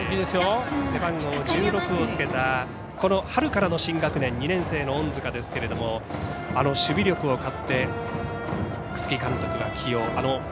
背番号１６をつけたこの春からの新学年２年生の隠塚ですけれども守備力を買って楠城監督は起用。